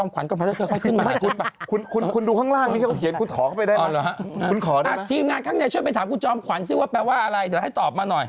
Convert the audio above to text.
กินคืออะไรไรเหรอเสร็จแล้วกินเลยหรือเปล่า